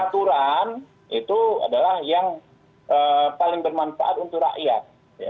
aturan itu adalah yang paling bermanfaat untuk rakyat